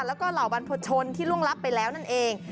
แล้วก็เหล่าบรรพชนที่ล่วงลับไปแล้วนั่นเอง